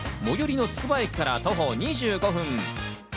最寄りのつくば駅から徒歩２５分。